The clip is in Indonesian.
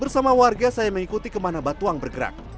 bersama warga saya mengikuti kemana batuang bergerak